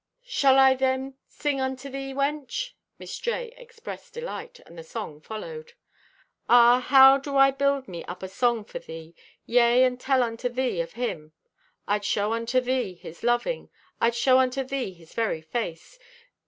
_—"Shall I then sing unto thee, wench?" Miss J. expressed delight, and the song followed. Ah, how do I to build me up my song for thee? Yea, and tell unto thee of Him. I'd shew unto thee His loving, I'd shew unto thee His very face.